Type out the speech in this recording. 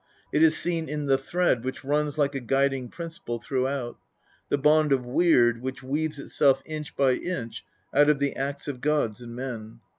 It is seen in the thread which runs like a guiding principle throughout the bond of Weird which weaves itself inch by inch out of the acts of gods and men.